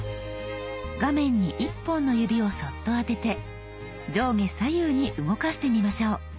画面に１本の指をそっと当てて上下左右に動かしてみましょう。